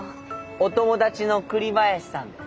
お友達の栗林さんです。